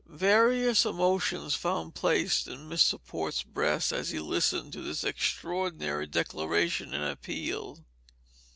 Various emotions found place in Mr. Port's breast as he listened to this extraordinary declaration and appeal.